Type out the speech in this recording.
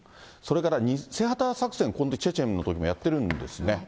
それから偽旗作戦、これ、チェチェンのときもやってるんですね。